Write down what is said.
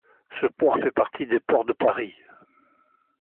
Ce port fait partie de Ports de Paris.